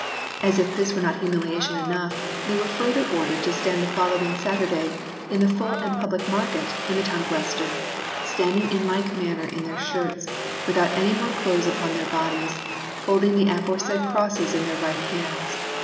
As if this were not humiliation enough they were further ordered to stand the following Saturday in the full and public market in the town of Leicester, standing in like manner in their shirts, without any more clothes upon their bodies, holding the aforesaid crosses in their right hands.